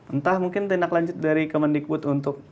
entah mungkin tindak lanjut dari kemendikbud untuk